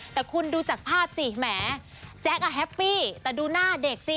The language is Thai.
แต่คุณดูจากภาพสิแหมแจ๊กอ่ะแฮปปี้แต่ดูหน้าเด็กสิ